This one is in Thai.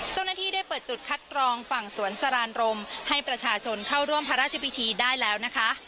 เจ้าหน้าที่ได้เปิดจุดคัดกรองฝั่งสวนสรานรมให้ประชาชนเข้าร่วมพระราชพิธีได้แล้วนะคะ